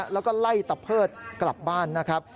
แล้วก็ไล่ตะเพิดกลับบ้านนะครับ